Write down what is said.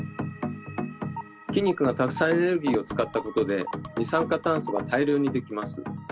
筋肉がたくさんエネルギーを使ったことで二酸化炭素が大量にできます。